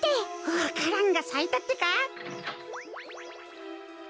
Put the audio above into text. わか蘭がさいたってか。